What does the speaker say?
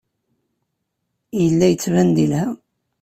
Yella yettban-d yelha.